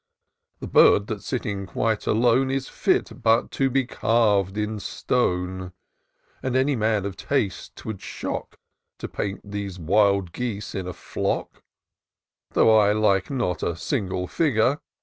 The bird that's sitting quite alone Is fit but to be carv'd in stone ; And any man of taste 'twould shock To paint those wild geese in a flock : Though I like not a single figure.